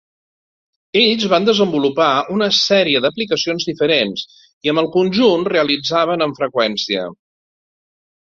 Ells van desenvolupar una sèrie d'aplicacions diferents i amb el conjunt realitzaven amb freqüència.